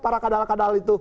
para kadal kadal itu